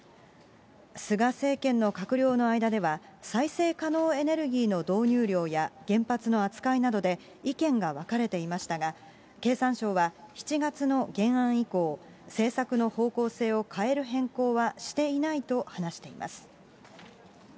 菅政権の閣僚の間では、再生可能エネルギーの導入量や、原発の扱いなどで、意見が分かれていましたが、経産省は、７月の原案以降、政策の方向性を変える変更はしていないと話しています。